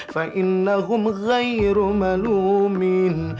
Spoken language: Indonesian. fa innahum ghairu malumin